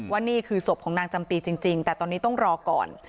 นี่คือศพของนางจำปีจริงแต่ตอนนี้ต้องรอก่อน